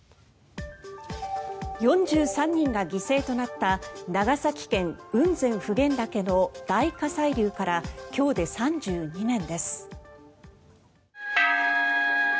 ４３人が犠牲となった長崎県、雲仙・普賢岳の大火砕流から今日で３２年です。